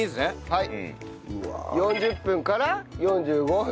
はい。